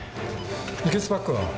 輸血パックは？